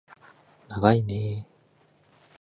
ながいねー